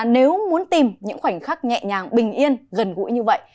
nếu muốn tìm những khoảnh khắc nhẹ nhàng bình yên gần gũi như vậy